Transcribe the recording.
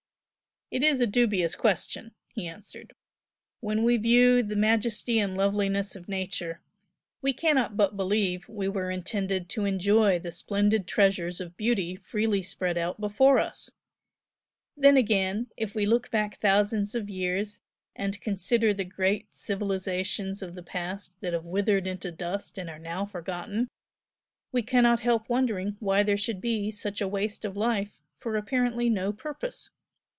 "It is a dubious question!" he answered "When we view the majesty and loveliness of nature we cannot but believe we were intended to enjoy the splendid treasures of beauty freely spread out before us, then again, if we look back thousands of years and consider the great civilisations of the past that have withered into dust and are now forgotten, we cannot help wondering why there should be such a waste of life for apparently no purpose.